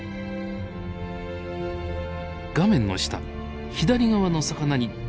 画面の下左側の魚にご注目。